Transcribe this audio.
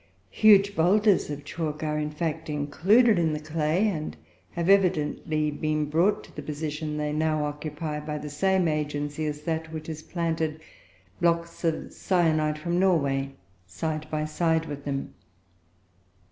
Huge boulders of chalk are, in fact, included in the clay, and have evidently been brought to the position they now occupy by the same agency as that which has planted blocks of syenite from Norway side by side with them.